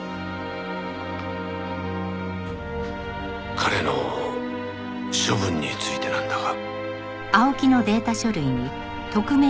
彼の処分についてなんだが。